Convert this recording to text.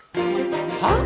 はっ？